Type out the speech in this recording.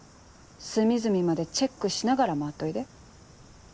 隅々までチェックしながら回っといで。